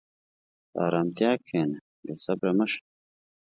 په ارامتیا کښېنه، بېصبره مه شه.